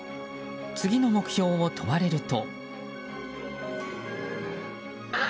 次の目標を問われると。